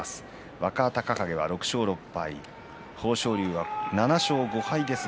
若隆景、６勝６敗豊昇龍は７勝５敗です。